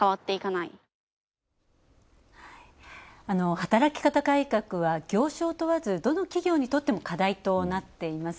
働き方改革は業種を問わずどの企業にとっても課題となっています。